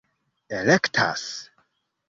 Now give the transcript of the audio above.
elektas